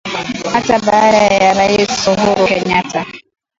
Hata baada ya Rais Uhuru Kenyatta